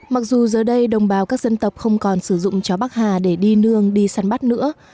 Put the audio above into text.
mặc dù giờ đây đồng bào các dân tộc không còn sử dụng chó bắc hà để đi nương đi săn bắt nữa